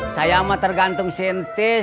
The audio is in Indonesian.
saya mah tergantung si ntis